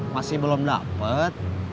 masih belum dapet